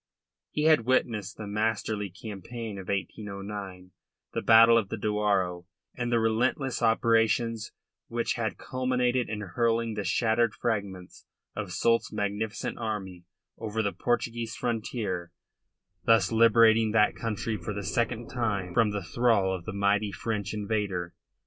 He had witnessed the masterly campaign of 1809, the battle of the Douro and the relentless operations which had culminated in hurling the shattered fragments of Soult's magnificent army over the Portuguese frontier, thus liberating that country for the second time from the thrall of the mighty French invader.